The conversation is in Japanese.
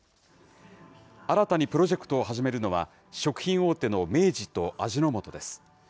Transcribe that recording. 新たにプロジェクトを始めるのは、食品大手の明治と味の素です。